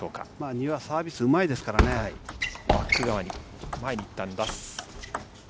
丹羽、サービスうまいですかバック側に、前にいったん出す。